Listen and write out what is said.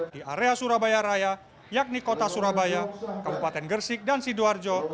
di area surabaya raya yakni kota surabaya kabupaten gersik dan sidoarjo